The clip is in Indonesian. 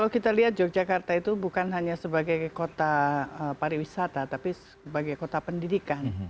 kita lihat yogyakarta itu bukan hanya sebagai kota pariwisata tapi sebagai kota pendidikan